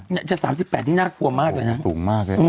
เนี่ยจะ๓๘๗๕นี่น่ากลัวมากเลยนะ